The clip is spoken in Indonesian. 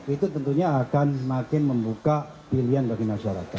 itu tentunya akan makin membuka pilihan bagi masyarakat